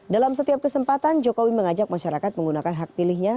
dalam setiap kesempatan jokowi mengajak masyarakat menggunakan hak pilihnya